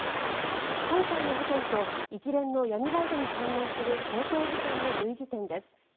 今回の事件と一連の闇バイトに関連する強盗事件の類似点です。